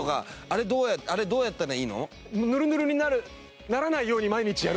あれどうやったらいいの？